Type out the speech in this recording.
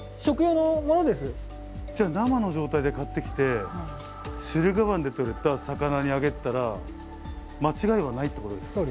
じゃあ生の状態で買ってきて駿河湾で取れた魚にあげてたら間違いはないっていうことですか？